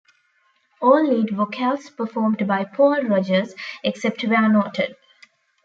All lead vocals performed by Paul Rodgers, except where noted.